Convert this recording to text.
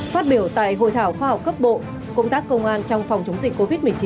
phát biểu tại hội thảo khoa học cấp bộ công tác công an trong phòng chống dịch covid một mươi chín